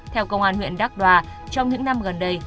theo công an huyện đắk đoa trong những năm gần đây